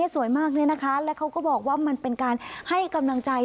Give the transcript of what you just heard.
สวยมากเลยนะคะแล้วเขาก็บอกว่ามันเป็นการให้กำลังใจ